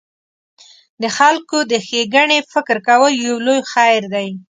د خلکو د ښېګڼې فکر کول یو لوی خیر دی.